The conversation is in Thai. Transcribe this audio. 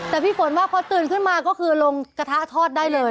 แต่พี่ฝนว่าพอตื่นขึ้นมาก็คือลงกระทะทอดได้เลย